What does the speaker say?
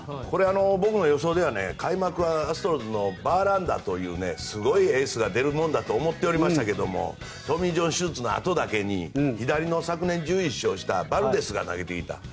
これは僕の予想では開幕はアストロズのバーランダーというすごいエースが出るものだと思っておりましたがトミー・ジョン手術のあとだけに左の１１勝したバルデスが投げていた。